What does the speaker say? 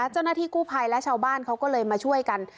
เจ้าหน้าที่กู้ภัยและชาวบ้านเขาก็เลยมาช่วยกัน